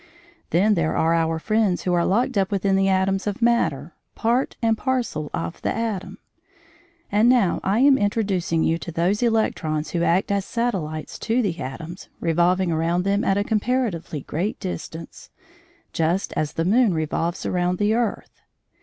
Then there are our friends who are locked up within the atoms of matter part and parcel of the atom. And now I am introducing you to those electrons who act as satellites to the atoms, revolving around them at a comparatively great distance, just as the moon revolves around the earth.